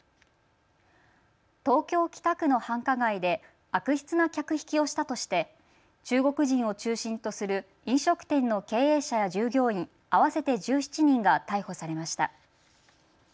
東京北区の繁華街で悪質な客引きをしたとして中国人を中心とする飲食店の経営者や従業員合わせて１７人が逮捕されました。